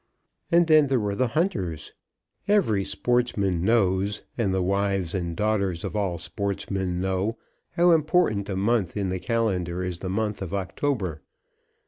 And then there were the hunters. Every sportsman knows, and the wives and daughters of all sportsmen know, how important a month in the calendar is the month of October.